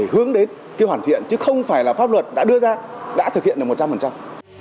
hướng đến hoàn thiện chứ không phải là pháp luật đã đưa ra đã thực hiện được một trăm linh